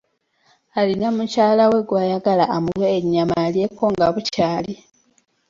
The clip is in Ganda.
Alina mukyala we gw'ayagala amuwe ennyama alyeko nga bukyali.